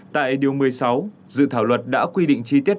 tại điều một mươi sáu dự thảo luật đã quy định chi tiết